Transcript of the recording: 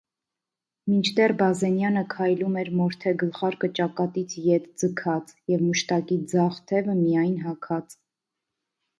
Մինչդեռ Բազենյանը քայլում էր մորթե գլխարկը ճակատից ետ ձգած և մուշտակի ձախ թևը միայն հագած: